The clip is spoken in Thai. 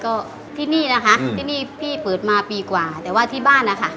ก็ที่นี่นะคะที่นี่พี่เปิดมาปีกว่าแต่ว่าที่บ้านนะคะ